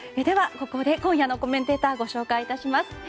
では、ここで今夜のコメンテーターをご紹介します。